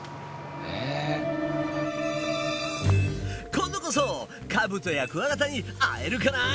今度こそカブトやクワガタに会えるかな？